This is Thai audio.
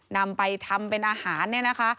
นำไปทำเป็นอาหารเนี่ยนะคะ